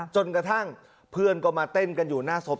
จนกระทั่งเพื่อนก็มาเต้นกันอยู่หน้าศพ